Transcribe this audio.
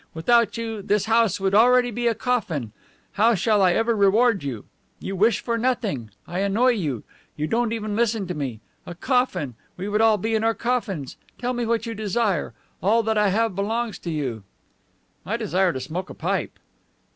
Without you this house would already be a coffin. How shall I ever reward you? You wish for nothing! I annoy you! You don't even listen to me! A coffin we would all be in our coffins! Tell me what you desire. All that I have belongs to you!" "I desire to smoke a pipe.